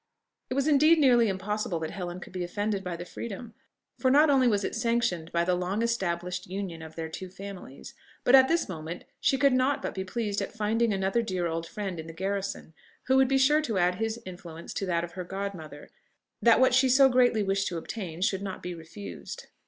It was indeed nearly impossible that Helen could be offended by the freedom; for not only was it sanctioned by the long established union of their two families, but at this moment she could not but be pleased at finding another dear old friend in the garrison, who would be sure to add his influence to that of her godmother, that what she so greatly wished to obtain should not be refused.